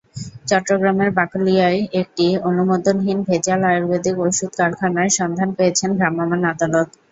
চট্টগ্রামের বাকলিয়ায় একটি অনুমোদনহীন ভেজাল আয়ুর্বেদিক ওষুধ কারখানার সন্ধান পেয়েছেন ভ্রাম্যমাণ আদালত।